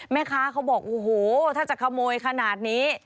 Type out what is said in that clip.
เขาบอกโอ้โหถ้าจะขโมยขนาดนี้